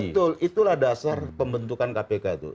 betul itulah dasar pembentukan kpk itu